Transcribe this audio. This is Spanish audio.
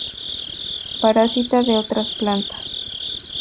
Parásita de otras plantas.